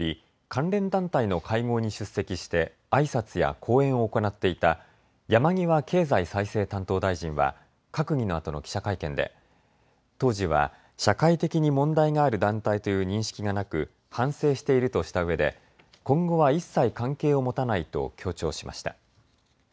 関連団体の会合に出席してあいさつや講演を行っていた山際経済再生担当大臣は閣議のあとの記者会見で当時は社会的に問題がある団体という認識がなく反省しているとしたうえで今後は一切関係を持たないと強調しました。